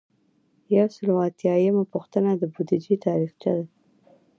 یو سل او اتیایمه پوښتنه د بودیجې تاریخچه ده.